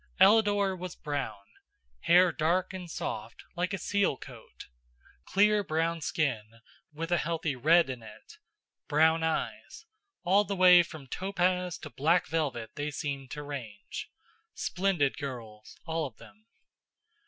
Ellador was brown: hair dark and soft, like a seal coat; clear brown skin with a healthy red in it; brown eyes all the way from topaz to black velvet they seemed to range splendid girls, all of them.